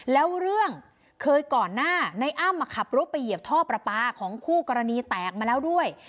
แล้วเรื่องเคยก่อนหน้าในอ้ำมาขับรถไปเหยียบท่อประปาของคู่กรณีแตกมาแล้วด้วย